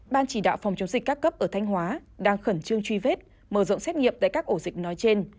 ban chỉ đạo phòng chống dịch các cấp ở thanh hóa đang khẩn trương truy vết mở rộng xét nghiệm tại các ổ dịch nói trên